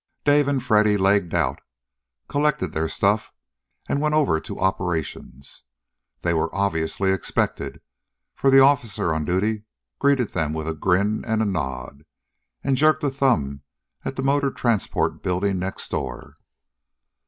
Dave and Freddy legged out, collected their stuff, and went over to operations. They were obviously expected, for the officer on duty greeted them with a grin and a nod, and jerked a thumb at the motor transport building next door.